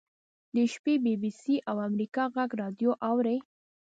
د شپې بي بي سي او امریکا غږ راډیو اوري.